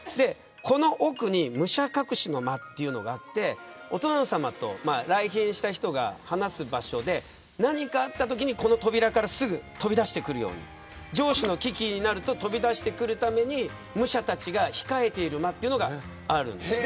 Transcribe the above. この奥に、武者隠しの間というのがあってお殿様と来賓した人が話す場所で何かあったときに扉からすぐ飛び出してくるように城主の危機になると飛び出してくるために武者たちが控えている間というのがあるんです。